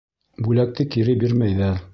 Бүләкте кире бирмәйҙәр.